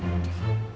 kalo diambil semua